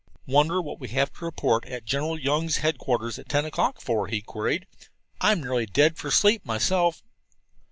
"Wonder what we have to report at General Young's headquarters at ten o'clock for?" he queried. "I'm nearly dead for sleep myself."